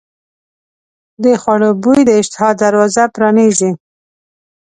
د خوړو بوی د اشتها دروازه پرانیزي.